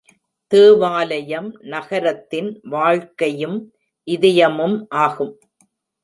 தேவாலயம் நகரத்தின் வாழ்க்கையும் இதயமும் ஆகும்.